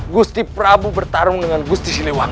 gusti prabu bertarung dengan gusti siliwangi